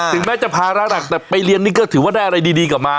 แม้จะภาระหนักแต่ไปเรียนนี่ก็ถือว่าได้อะไรดีกลับมา